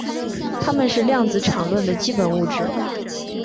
它们是量子场论的基本物质。